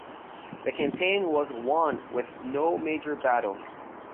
The campaign was won with no major battle.